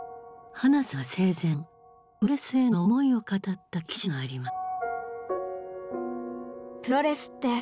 花さんが生前プロレスへの思いを語った記事があります。